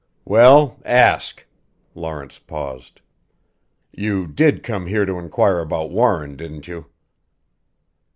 "Well ask." Lawrence paused. "You did come here to inquire about Warren, didn't you?"